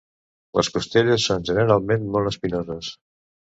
Les costelles són generalment molt espinoses.